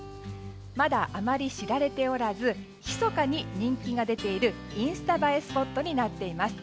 まだあまり知られておらずひそかに人気が出ているインスタ映えスポットになっています。